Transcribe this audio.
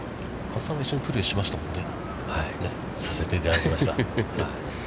加瀬さんは一緒にプレーしましたもんね？